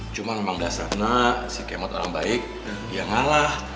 cuma memang dasarnya si kemot orang baik ya ngalah